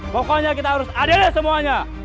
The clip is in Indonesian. pokoknya kita harus adil semuanya